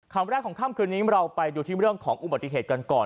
คำแรกของค่ำคืนนี้เราไปดูที่เรื่องของอุบัติเหตุกันก่อน